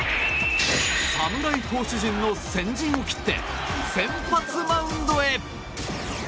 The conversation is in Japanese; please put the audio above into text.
侍投手陣の先陣を切って先発マウンドへ。